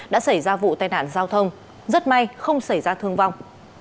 đã xảy ra vụ tai nạn giao thông rất may không xảy ra thương vong